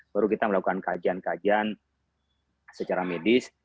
baru kita melakukan kajian kajian secara medis